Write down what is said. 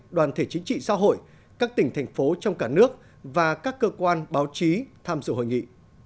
đoàn thể chính trị xã hội các tỉnh thành phố trong cả nước và các cơ quan báo chí tham dự hội nghị